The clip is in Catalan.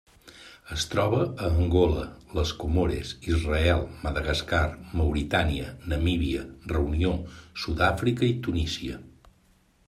Es troba a Angola, les Comores, Israel, Madagascar, Mauritània, Namíbia, Reunió, Sud-àfrica i Tunísia.